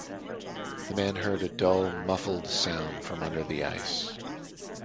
The man heard a dull muffled sound from under the ice.